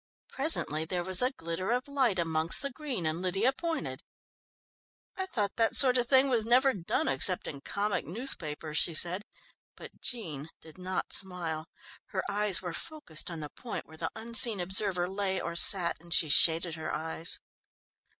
Presently there was a glitter of light amongst the green, and Lydia pointed. "I thought that sort of thing was never done except in comic newspapers," she said, but Jean did not smile. Her eyes were focused on the point where the unseen observer lay or sat, and she shaded her eyes.